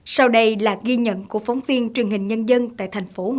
sau đây là ghi nhận của phóng viên truyền hình nhân dân